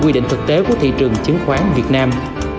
những điểm lực tế của thị trường chứng khoán việt nam